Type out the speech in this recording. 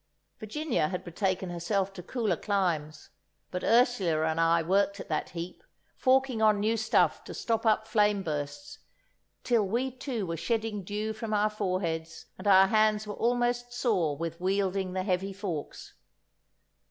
Virginia had betaken herself to cooler climes, but Ursula and I worked at that heap, forking on new stuff to stop up flame bursts, till we too were shedding dew from our foreheads, and our hands were almost sore with wielding the heavy forks.